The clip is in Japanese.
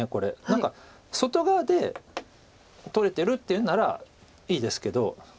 何か外側で取れてるっていうならいいですけど。